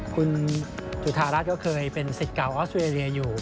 คุณจุธารัฐก็เคยเป็นสิทธิ์เก่าออสเตรเลียอยู่